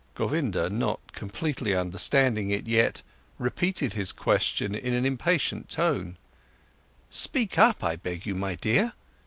Govinda, not completely understanding it yet, repeated his question in an impatient tone: "Speak up, I beg you, my dear!